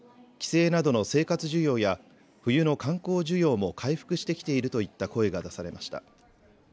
帰省などの生活需要や、冬の観光需要も回復してきているといった声が出されました。